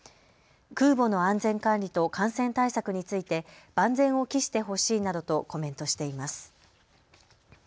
空母の安全管理と感染対策について万全を期してほしいなどとコメントしています。